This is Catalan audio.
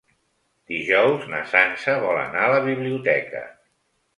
Dijous na Sança vol anar a la biblioteca.